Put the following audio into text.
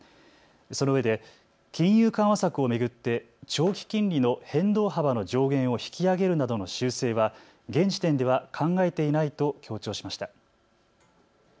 そのうえで金融緩和策を巡って長期金利の変動幅の上限を引き上げるなどの修正は現時点では考えていないと強調しました。